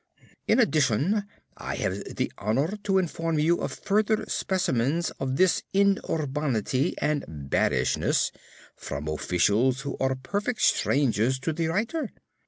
In addition, I have the honour to inform you of further specimens of this inurbanity and bearishness from officials who are perfect strangers to the writer.